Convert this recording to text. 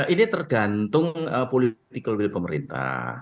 ini tergantung political will pemerintah